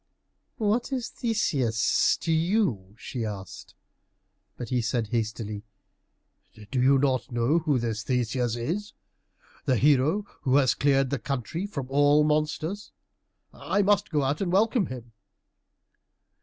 "What is Theseus to you?" she asked. But he said hastily, "Do you not know who this Theseus is? The hero who has cleared the country from all monsters. I must go out and welcome him."